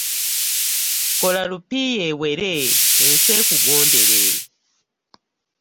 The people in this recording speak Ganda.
Kola lupiiya awere ensi ekugondere.